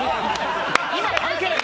今、関係ない！